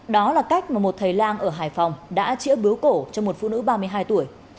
đó là cách mà một thầy lang ở hải phòng đã chĩa bưu cổ cho một phụ nữ ba mươi hai tuổi